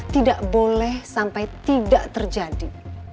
tidak boleh sampai tidak terjadi